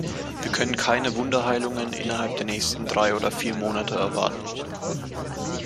Wir können keine Wunderheilungen innerhalb der nächsten drei oder vier Monate erwarten.